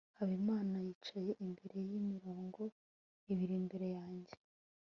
habimana yicaye imbere y'imirongo ibiri imbere yanjye